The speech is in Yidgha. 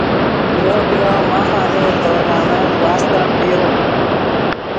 کلو کلو ماخ آلو ٹورنامنٹ واستم ڤیو